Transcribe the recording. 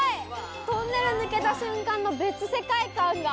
トンネル抜けた瞬間の別世界感が。